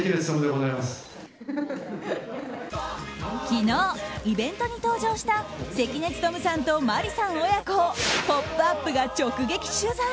昨日、イベントに登場した関根勤さんと麻里さん親子を「ポップＵＰ！」が直撃取材。